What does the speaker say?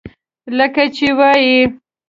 لکه چې وائي ۔